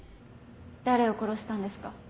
誰を殺したんですか？